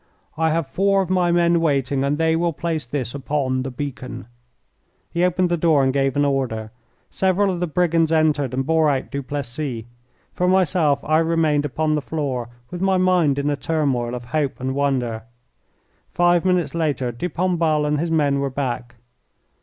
"I have four of my men waiting, and they will place this upon the beacon." He opened the door and gave an order. Several of the brigands entered and bore out Duplessis. For myself I remained upon the floor, with my mind in a turmoil of hope and wonder. Five minutes later de Pombal and his men were back.